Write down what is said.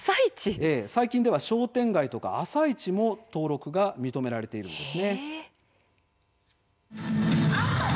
最近では商店街や朝市でも登録が認められているんです。